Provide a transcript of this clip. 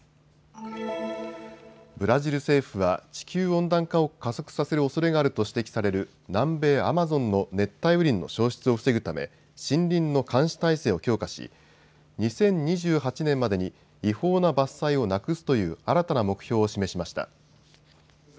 ブラジル政府は地球温暖化を加速させるおそれがあると指摘される南米アマゾンの熱帯雨林の消失を防ぐため森林の監視態勢を強化し、２０２８年までに違法な伐採をなくすという新たな目標を示しました。